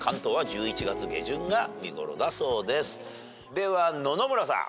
では野々村さん。